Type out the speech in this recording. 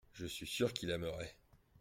Je suis sûr qu’il aimerait.